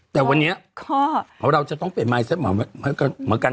แต่วันนี้เราจะต้องเปลี่ยน